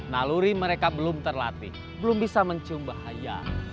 naluri mereka belum terlatih belum bisa mencium bahaya